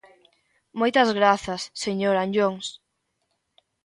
Moitas grazas, señor Anllóns.